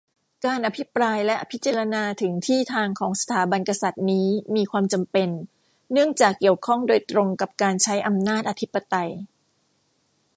การอภิปรายและพิจารณาถึงที่ทางของสถาบันกษัตริย์นี้มีความจำเป็น เนื่องจากเกี่ยวข้องโดยตรงกับการใช้อำนาจอธิปไตย